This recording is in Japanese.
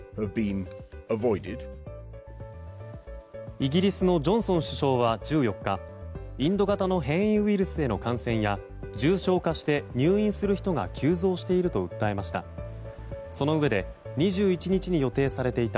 イギリスのジョンソン首相は１４日インド型の変異ウイルスへの感染や重症化して入院する人が急増していると訴えました。